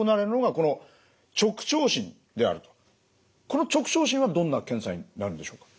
この直腸診はどんな検査になるんでしょうか？